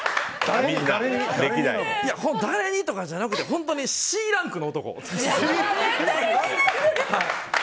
誰似とかじゃなくてＣランクの男。